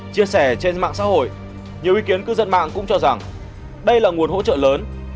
chia sẻ trên mạng xã hội nhiều ý kiến cư dân mạng cũng cho rằng đây là nguồn hỗ trợ lớn